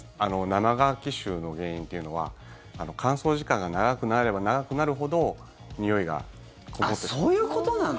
生乾き臭の原因っていうのは乾燥時間が長くなれば長くなるほどそういうことなの。